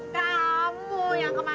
kamu yang kemana saja